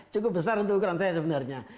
cukup besar untuk ukuran saya sebenarnya